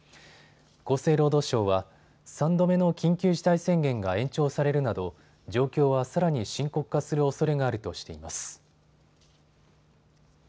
厚生労働省は３度目の緊急事態宣言が延長されるなど状況はさらに深刻化するおそれがあるとしています。